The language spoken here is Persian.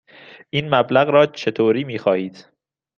این مبلغ را چطوری می خواهید؟